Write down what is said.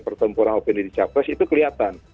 pertempuran opini di capres itu kelihatan